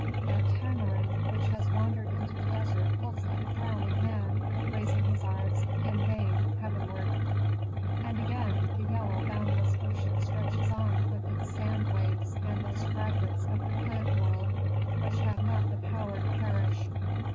That tamarind which has wandered into the desert looks like a drowning man raising his arms, in vain, heavenward. And again the yellow boundless ocean stretches on with its sand waves and those fragments of the plant world which have not the power to perish.